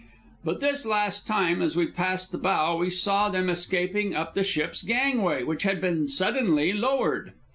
But this last time, as we passed the bow, we saw them escaping up the ship's gangway, which had been suddenly lowered.